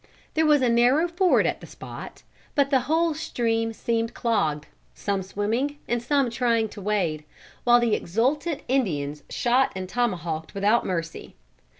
There was a narrow ford at the spot, but the whole stream seemed clogged, some swimming and some trying to wade, while the exultant Indians shot and tomahawked without mercy.